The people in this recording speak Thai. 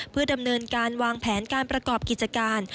เพื่อดำเนินการวางแผนการประกอบกิจการ